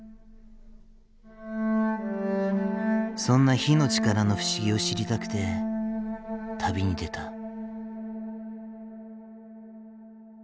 そんな火の力の不思議を知りたくて旅に出た。